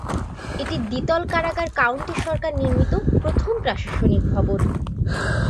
একটি দ্বিতল কারাগার কাউন্টি সরকার নির্মিত প্রথম প্রশাসনিক ভবন।